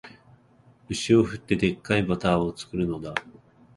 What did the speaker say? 牛を振って、デッカいバターを作るのだ